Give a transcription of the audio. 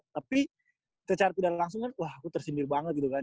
tapi secara tidak langsung kan wah tersindir banget gitu kan